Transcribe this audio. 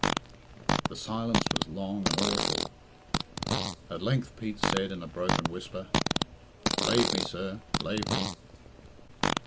The silence was long and awful. At length Pete said in a broken whisper "Lave me, sir, lave me."